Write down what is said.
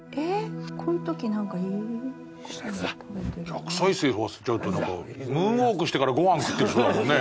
逆再生しちゃうと何かムーンウォークしてからご飯食ってる人だもんね。